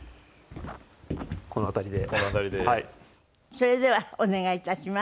それではお願い致します。